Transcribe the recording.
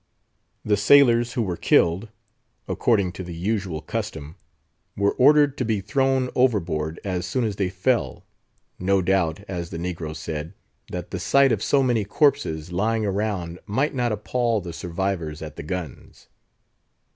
The sailors who were killed—according to the usual custom—were ordered to be thrown overboard as soon as they fell; no doubt, as the negro said, that the sight of so many corpses lying around might not appall the survivors at the guns.